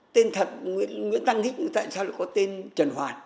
tên thật nguyễn tăng hích tại sao lại có tên trần hoàn